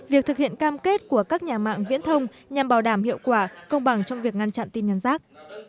việc thực hiện cam kết của các nhà mạng viễn thông nhằm bảo đảm hiệu quả công bằng trong việc ngăn chặn tin nhắn rác